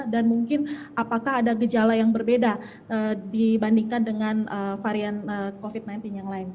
dan mungkin apakah ada gejala yang berbeda dibandingkan dengan varian covid sembilan belas yang lain